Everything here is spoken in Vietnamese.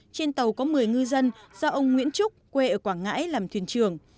trên tàu có một mươi ngư dân do ông nguyễn trúc quê ở quảng ngãi làm thuyền trưởng